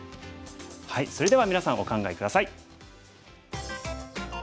それではみなさんお考え下さい。